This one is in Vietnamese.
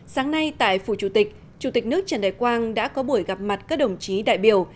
sáng nay tại phủ chủ tịch chủ tịch nước trần đại quang đã có buổi gặp mặt các đồng chí đại biểu